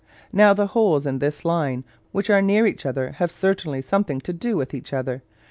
Now the holes in this line which are near each other have certainly something to do with each other.